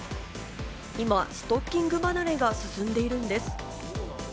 今、ストッキング離れが進んでいるんです。